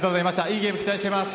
いいゲームを期待しています。